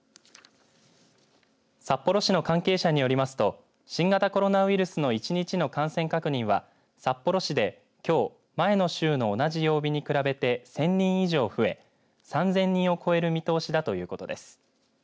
札幌市の関係者によりますと新型コロナウイルスの１日の感染確認は札幌市で、きょう前の週の同じ曜日に比べて１０００人以上増え３０００人を超える見通しだということです。